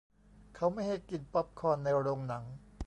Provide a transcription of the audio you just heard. เขาไม่ให้กินป๊อปคอร์นในโรงหนัง